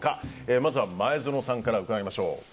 まずは前園さんから伺いましょう。